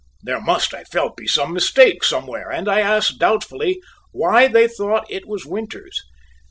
There must, I felt, be some mistake somewhere, and I asked, doubtfully, why they thought it was Winters.